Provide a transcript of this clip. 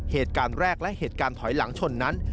เหตุการณ์แรกและเหตุการณ์ถอยหลังชนนั้น